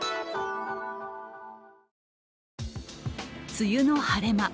梅雨の晴れ間